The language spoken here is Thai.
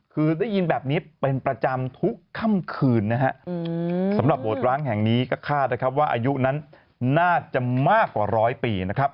คือได้ยินแบบนี้เป็นประจำทุกค่ำคืนสำหรับโบสถ์ร้างแห่งนี้ก็คาดว่าอายุนั้นน่าจะมากกว่า๑๐๐ปี